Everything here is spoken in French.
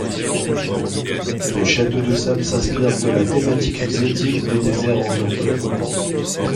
Le château de sable s'inspire de la thématique exotique des déserts orientaux.